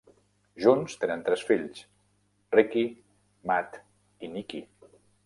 Junts tenen tres fills: Ricky, Matt i Nikki.